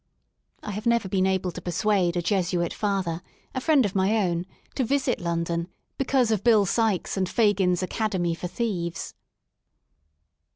I have never been able to persuade a Jesuit Father, a friend of my own, to visit London, because of Bill Sikes and Fagin's academy for thieves.